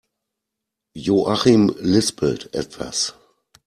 Joachim lispelt etwas.